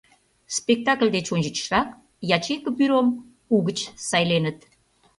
Спектакль деч ончычрак ячейка бюром угыч сайленыт.